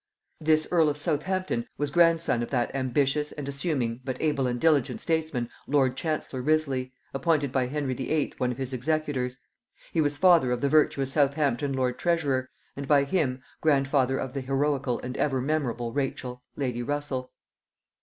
This earl of Southampton was grandson of that ambitious and assuming but able and diligent statesman, lord chancellor Wriothesley, appointed by Henry VIII. one of his executors; he was father of the virtuous Southampton lord treasurer, and by him, grandfather of the heroical and ever memorable Rachel lady Russel.